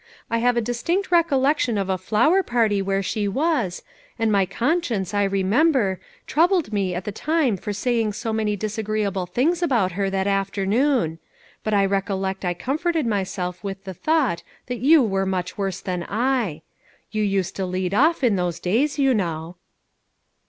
I have a distinct recollection of a flower party where she was, and my conscience, I re member, troubled me at the time for saying so many disagreeable things about her. that after noon ; but I recollect I comforted myself with the thought that you were much worse than I. You used to lead off, in those days, you know."